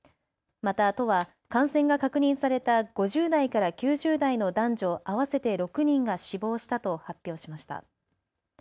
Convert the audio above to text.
また都は感染が確認された５０代から９０代の男女合わせて６人が死亡したと発表しました。